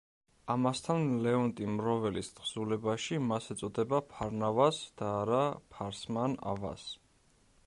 ამასთან ლეონტი მროველის თხზულებაში მას ეწოდება ფარნავაზ და არა ფარსმან-ავაზ.